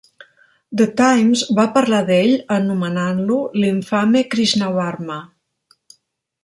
"The Times" va parlar d'ell anomenant-lo "l'infame Krishnavarma".